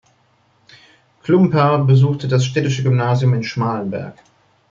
Klümper besuchte das Städtische Gymnasium in Schmallenberg.